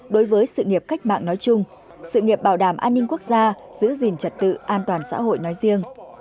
đối với sự nghiệp cách mạng nói chung sự nghiệp bảo đảm an ninh quốc gia giữ gìn trật tự an toàn xã hội nói riêng